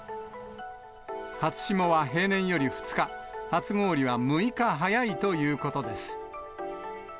初霜は平年より２日、初氷は６日早いということです。